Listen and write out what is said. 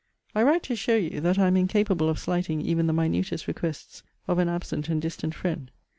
I write to show you that I am incapable of slighting even the minutest requests of an absent and distant friend.